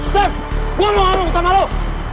tinggir gak mau gue tabrak